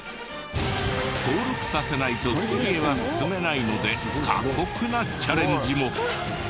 登録させないと次へは進めないので過酷なチャレンジも。